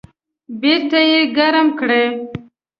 بیرته یې ګرم کړئ